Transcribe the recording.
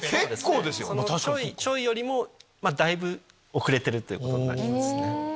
ちょいよりもだいぶ遅れてるということになりますね。